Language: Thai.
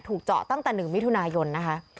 เจาะตั้งแต่๑มิถุนายนนะคะ